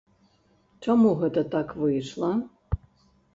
Чаму гэта так выйшла?